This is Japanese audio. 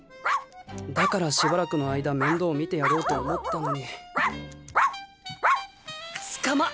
だからしばらくの間面倒見てやろうと思ったのにわん！